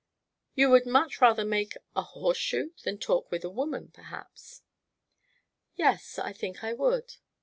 "You would much rather make a horseshoe than talk with a woman, perhaps?" "Yes, I think I would."